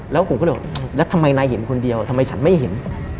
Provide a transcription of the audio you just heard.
แล้วผมก็เลยบอกแล้วทำไมนายเห็นคนเดียวทำไมฉันไม่เห็น